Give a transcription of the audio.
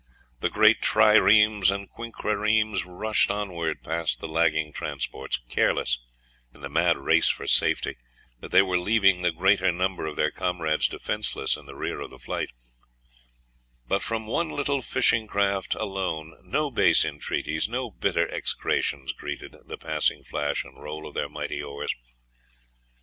The great triremes and quinqueremes rushed onward past the lagging transports, careless, in the mad race for safety, that they were leaving the greater number of their comrades defenceless in the rear of the flight; but from one little fishing craft alone no base entreaties, no bitter execrations greeted the passing flash and roll of their mighty oars.